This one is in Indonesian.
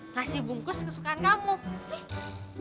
nasi bungkus kesukaan kamu nih